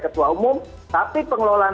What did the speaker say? ketua umum tapi pengelolaan